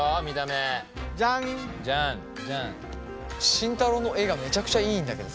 慎太郎の絵がめちゃくちゃいいんだけど。